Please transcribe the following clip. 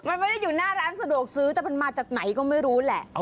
มันไม่ได้อยู่หน้าร้านสะดวกซื้อแต่มันมาจากไหนก็ไม่รู้แหละ